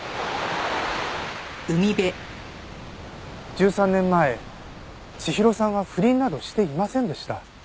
１３年前千尋さんは不倫などしていませんでした。